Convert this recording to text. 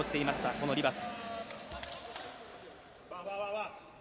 このリバス。